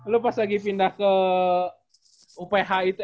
lo pas lagi pindah ke uph itu